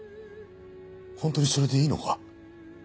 本当にそれでいいのか？